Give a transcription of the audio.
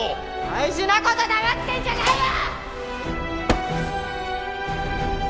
大事な事黙ってんじゃないよ！！